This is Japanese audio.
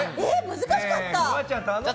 難しかった。